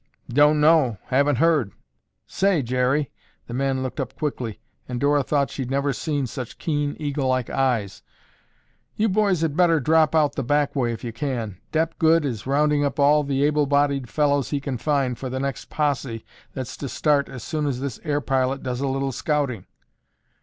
"Don't know! Haven't heard! Say, Jerry." The man looked up quickly, and Dora thought she'd never seen such keen, eagle like eyes. "You boys had better drop out the back way if you can. Dep Goode is rounding up all the able bodied fellows he can find for the next posse that's to start as soon as this air pilot does a little scouting."